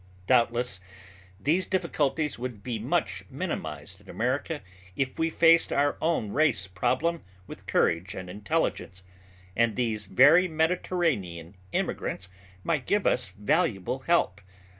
Doubtless these difficulties would be much minimized in America, if we faced our own race problem with courage and intelligence, and these very Mediterranean immigrants might give us valuable help.